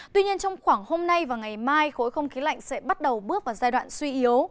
tuy nhiên trong khoảng hôm nay và ngày mai khối không khí lạnh sẽ bắt đầu bước vào giai đoạn suy yếu